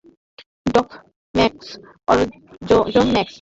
Dot-Max, orgasm-max.